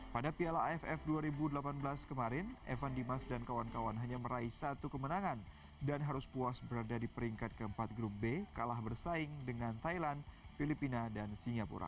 pada piala aff dua ribu delapan belas kemarin evan dimas dan kawan kawan hanya meraih satu kemenangan dan harus puas berada di peringkat keempat grup b kalah bersaing dengan thailand filipina dan singapura